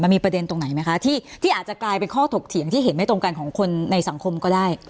มีประเด็นตรงไหนไหมคะที่อาจจะกลายเป็นข้อถกเถียงที่เห็นไม่ตรงกันของคนในสังคมก็ได้